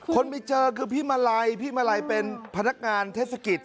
คนไปเจอคือพี่มาลัยพี่มาลัยเป็นพนักงานเทศกิจ